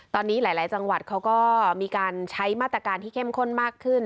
ตอนนี้หลายจังหวัดเขาก็มีการใช้มาตรการที่เข้มข้นมากขึ้น